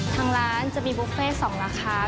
ทางร้านจะมีบุฟเฟ่๒ราคา